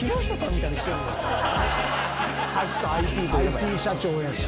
ＩＴ社長やし。